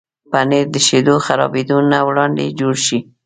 پنېر د شیدو خرابېدو نه وړاندې جوړ شي.